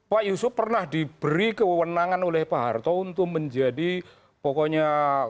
pak yusuf pernah diberi kewenangan oleh pak harto untuk menjadi pokoknya